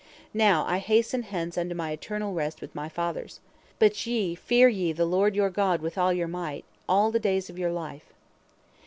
Now I hasten hence unto my eternal rest with my fathers. But ye, fear ye the Lord your God with all your might all the days of your life."